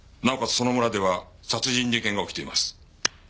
その村では殺人事件が起きています。